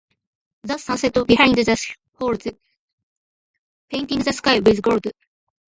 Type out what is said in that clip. The sun set behind the hills, painting the sky with gold.